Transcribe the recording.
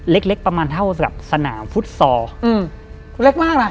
เล็กประมาณเท่ากับสนามฟุตซอร์